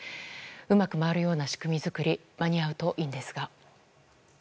うまく回るような仕組み作り間に合うといいんですが。